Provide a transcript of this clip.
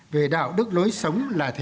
về đạo đức lối sống là chính trị